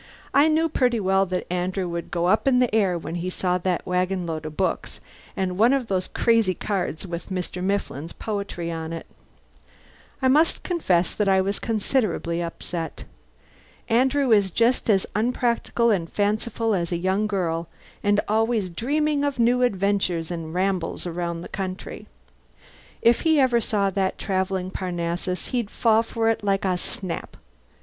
I knew pretty well that Andrew would go up in the air when he saw that wagonload of books and one of those crazy cards with Mr. Mifflin's poetry on it. I must confess that I was considerably upset. Andrew is just as unpractical and fanciful as a young girl, and always dreaming of new adventures and rambles around the country. If he ever saw that travelling Parnassus he'd fall for it like snap.